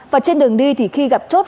và trên đường đi thì khi gặp chốt